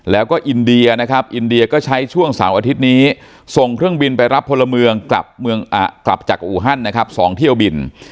แล้วก็อินเดียนะครับอินเดียก็ใช้ช่วงเสาร์อาทิตย์นี้ส่งเครื่องบินไปรับพลเมืองกลับจากอูฮันนะครับ๒เที่ยวบิน